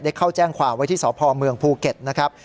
เข้าแจ้งความไว้ที่สพเมืองภูเก็ตนะครับ